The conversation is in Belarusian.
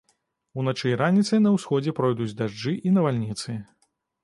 Уначы і раніцай на ўсходзе пройдуць дажджы і навальніцы.